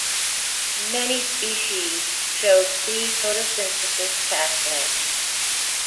Many species show C-photosynthesis pathway.